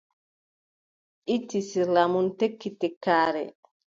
Itti sirla mum, tekki tekkaare.